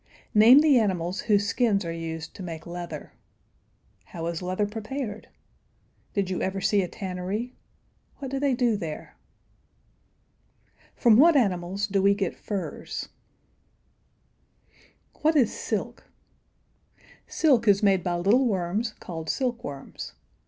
"] Name the animals whose skins are used to make leather. How is leather prepared? Did you ever see a tannery? What do they do there? From what animals do we get furs? What is silk? [Illustration: THE SILKWORM AND MOTH.] Silk is made by little worms called silkworms.